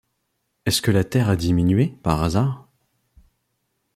Est-ce que la terre a diminué, par hasard?